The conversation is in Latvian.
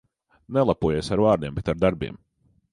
Nelepojies ar vārdiem, bet ar darbiem.